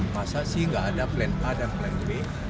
masa sih nggak ada plan a dan plan b